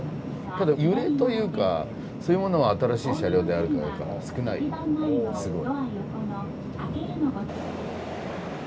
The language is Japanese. ただ揺れというかそういうものは新しい車両であるからか少ないよすごい。